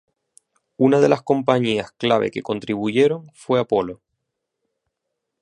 Una de las compañías clave que contribuyeron fue Apollo.